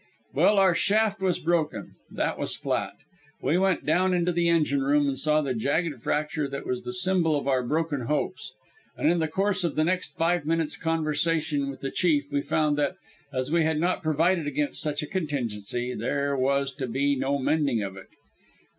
Well, our shaft was broken. That was flat. We went down into the engine room and saw the jagged fracture that was the symbol of our broken hopes. And in the course of the next five minutes' conversation with the chief we found that, as we had not provided against such a contingency, there was to be no mending of it.